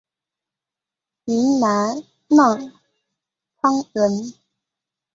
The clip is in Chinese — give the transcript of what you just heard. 云南浪穹人。